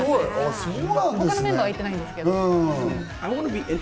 他のメンバーは行ってないですけど。